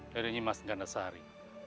dari nyi mas ganda sari